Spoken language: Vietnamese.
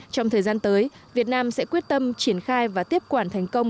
trong thời gian tới việt nam sẽ quyết tâm triển khai và tiếp quản thành công